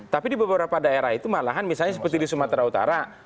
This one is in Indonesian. tapi di beberapa daerah itu malahan misalnya seperti di sumatera utara